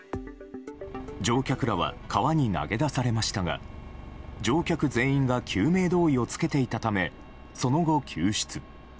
乗客らは川に投げ出されましたが乗客全員が救命胴衣を着けていたためその後、救出。